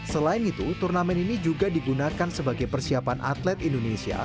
selain itu turnamen ini juga digunakan sebagai persiapan atlet indonesia